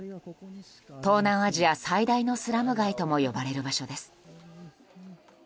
東南アジア最大のスラム街とも呼ばれる場所です。